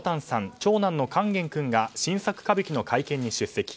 長男の勸玄君が新作歌舞伎の会見に出席。